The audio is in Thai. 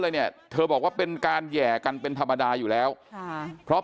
เลยเนี่ยเธอบอกว่าเป็นการแห่กันเป็นธรรมดาอยู่แล้วค่ะเพราะ